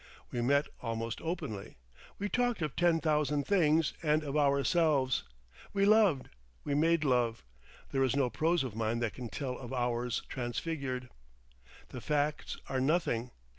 We met almost openly.... We talked of ten thousand things, and of ourselves. We loved. We made love. There is no prose of mine that can tell of hours transfigured. The facts are nothing.